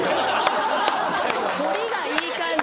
彫りがいい感じ。